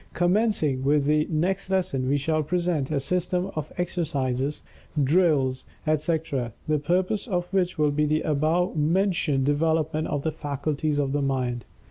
Commencing with the next lesson, we shall present a system of exercises, drills, etc., the purpose of which will be the above mentioned development of the faculties of the Mind.